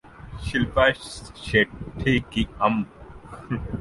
شلپا شیٹھی کی ام